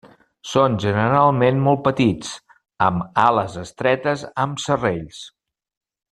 Són generalment molt petits amb ales estretes amb serrells.